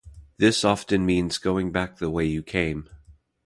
This often means going back the way you came.